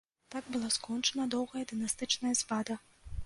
Так была скончана доўгая дынастычная звада.